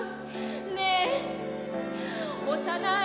「ねえ幼い？